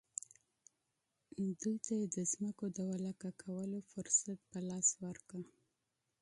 دوی ته یې د ځمکو د ولکه کولو فرصت په لاس ورکاوه.